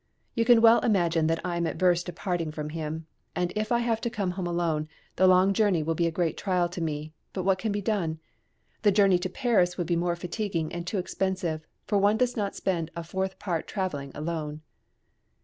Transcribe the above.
You can well imagine that I am averse to parting from him; and if I have to come home alone, the long journey will be a great trial to me: but what can be done? The journey to Paris would be more fatiguing and too expensive; for one does not spend a fourth part travelling alone.